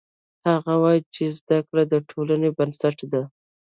هغه وایي چې زده کړه د ټولنې بنسټ ده